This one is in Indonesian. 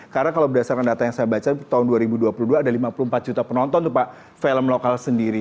karena kalau berdasarkan data yang saya baca tahun dua ribu dua puluh dua ada lima puluh empat juta penonton untuk pak film lokal sendiri